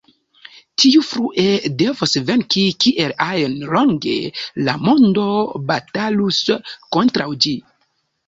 Tiu frue devos venki, kiel ajn longe la mondo batalus kontraŭ ĝi.